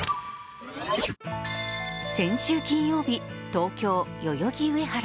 先週金曜日、東京・代々木上原。